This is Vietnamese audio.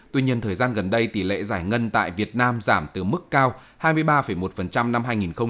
tuy nhiên thời gian gần đây tỷ lệ giải ngân tại việt nam giảm từ mức cao hai mươi ba một năm hai nghìn một mươi sáu